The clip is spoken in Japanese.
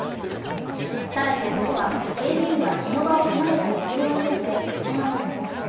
更に男は、警備員がその場を離れた隙をついてそのまま逃走。